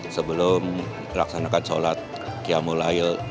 sebelum dilaksanakan sholat qiyamul ail